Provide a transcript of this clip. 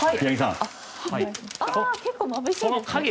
ああ結構まぶしいですね。